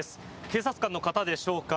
警察官の方でしょうか。